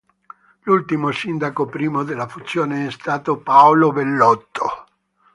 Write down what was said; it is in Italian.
L'ultimo sindaco prima della fusione è stato Paolo Bellotto.